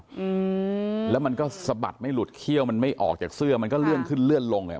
อืมแล้วมันก็สะบัดไม่หลุดเขี้ยวมันไม่ออกจากเสื้อมันก็เลื่อนขึ้นเลื่อนลงเลย